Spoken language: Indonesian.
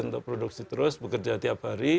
untuk produksi terus bekerja tiap hari